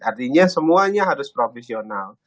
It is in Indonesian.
artinya semuanya harus profesional